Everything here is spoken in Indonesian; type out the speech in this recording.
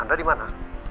anda di mana